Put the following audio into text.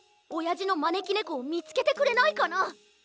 おやじのまねきねこをみつけてくれないかな？